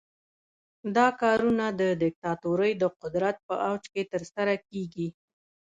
دا کارونه د دیکتاتورۍ د قدرت په اوج کې ترسره کیږي.